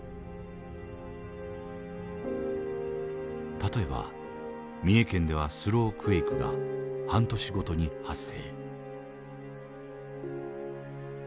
例えば三重県ではスロークエイクが半年ごとに発生。